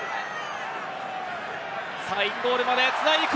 インゴールまで繋いでいく。